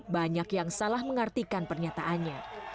banyak yang salah mengartikan pernyataannya